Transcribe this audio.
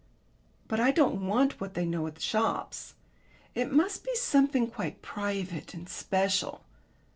"But I don't want what they know at shops. It must be something quite private and special."